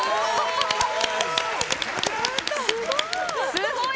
・すごい。